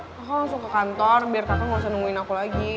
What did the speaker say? kakak langsung ke kantor biar kakak gak usah nemuin aku lagi